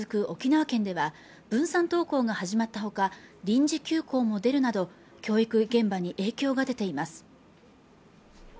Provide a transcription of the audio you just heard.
沖縄県では分散登校が始まったほか臨時休校モデルなど教育現場に影響が出ています